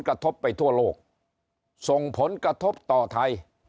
กระทบไปทั่วโลกส่งผลกระทบต่อไทย